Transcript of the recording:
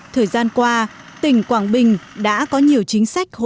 thời gian qua tỉnh quảng bình đã có nhiều chính sách hỗn hợp